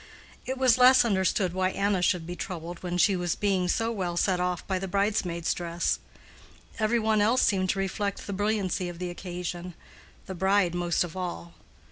It was less understood why Anna should be troubled when she was being so well set off by the bridesmaid's dress. Every one else seemed to reflect the brilliancy of the occasion—the bride most of all.